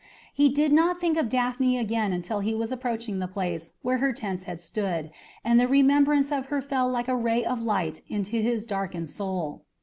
He did not think of Daphne again until he was approaching the place where her tents had stood, and the remembrance of her fell like a ray of light into his darkened soul.